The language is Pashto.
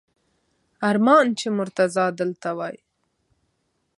ارمان چې مرتضی دلته وای!